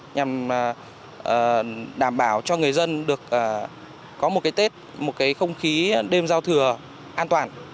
nhằm đảm bảo cho người dân được có một cái tết một cái không khí đêm giao thừa an toàn